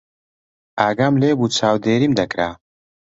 ئاگام لێ بوو چاودێریم دەکرا.